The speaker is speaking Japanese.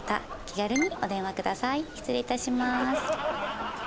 失礼いたします。